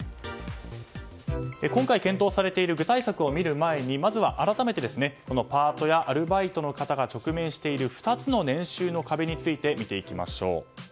今回、検討されている具体策を見る前にまずは改めてパートやアルバイトの方が直面している２つの年収の壁について見ていきましょう。